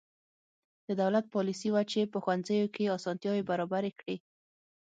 د دولت پالیسي وه چې په ښوونځیو کې اسانتیاوې برابرې کړې.